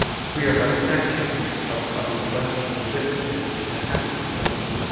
We are but spectators of others' blessings and wit nesses to the happiness of another 9 class.